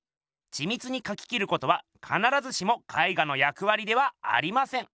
ちみつにかき切ることはかならずしも絵画の役わりではありません！